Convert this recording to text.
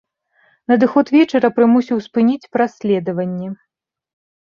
Надыход вечара прымусіў спыніць праследаванне.